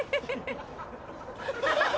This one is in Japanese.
ハハハハ！